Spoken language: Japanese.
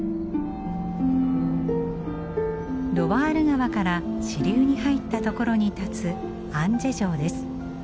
ロワール川から支流に入った所に立つアンジェ城です。